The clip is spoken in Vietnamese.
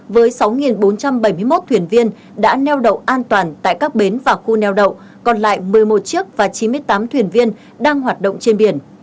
với sáu bốn trăm bảy mươi một thuyền viên đã neo đậu an toàn tại các bến và khu neo đậu còn lại một mươi một chiếc và chín mươi tám thuyền viên đang hoạt động trên biển